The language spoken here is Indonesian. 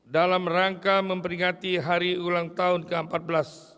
dalam rangka memperingati hari ulang tahun ke empat belas